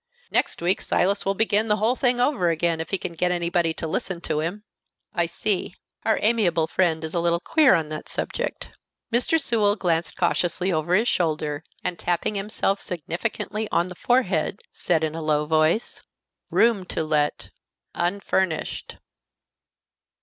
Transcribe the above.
Next week Silas will begin the whole thing over again, if he can get anybody to listen to him." "I see. Our amiable friend is a little queer on that subject." Mr. Sewell glanced cautiously over his shoulder, and tapping himself significantly on the forehead, said in a low voice, "Room To Let Unfurnished!"